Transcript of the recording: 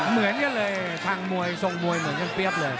เหมือนกันเลยทางมวยทรงมวยเหมือนกันเปรี้ยบเลย